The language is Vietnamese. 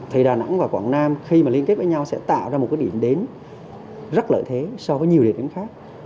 thì đà nẵng và quảng nam khi mà liên kết với nhau sẽ tạo ra một cái điểm đến rất lợi thế so với nhiều địa điểm khác